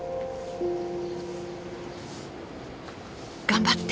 頑張って！